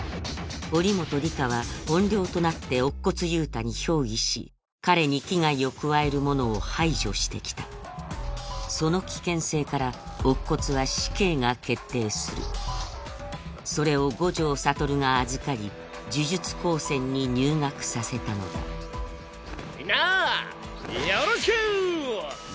祈本里香は怨霊となって乙骨憂太に憑依し彼に危害を加える者を排除してきたその危険性から乙骨は死刑が決定するそれを五条悟が預かり呪術高専に入学させたのだみんなよろしく！